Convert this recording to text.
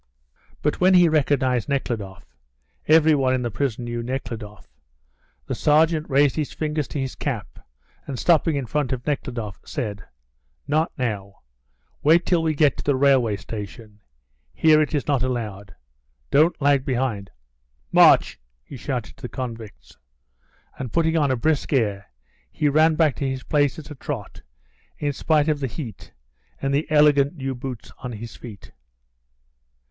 But when he recognised Nekhludoff (every one in the prison knew Nekhludoff) the sergeant raised his fingers to his cap, and, stopping in front of Nekhludoff, said: "Not now; wait till we get to the railway station; here it is not allowed. Don't lag behind; march!" he shouted to the convicts, and putting on a brisk air, he ran back to his place at a trot, in spite of the heat and the elegant new boots on his feet.